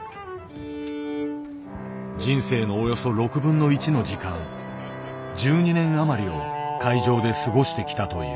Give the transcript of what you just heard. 人生のおよそ６分の１の時間１２年余りを会場で過ごしてきたという。